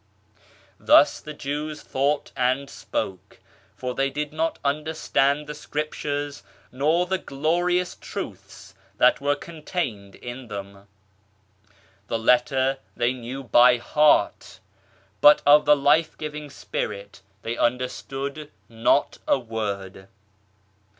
Thus the Jews thought and spoke, for they did not understand the Scriptures nor the glorious Truths that were contained in them. The letter they knew by heart, but of the life giving Spirit they understood not a word.